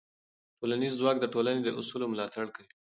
ټولنیز ځواک د ټولنې د اصولو ملاتړ کوي.